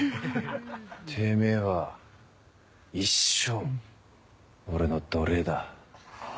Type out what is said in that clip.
てめえは一生俺の奴隷だ。